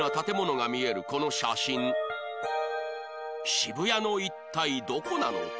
渋谷の一体どこなのか？